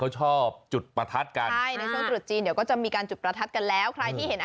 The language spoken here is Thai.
จุดประทัสกัน